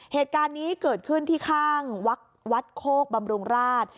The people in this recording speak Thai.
เหตุการณ์นี้เกิดขึ้นที่ข้างวัดโคกบำรุงราช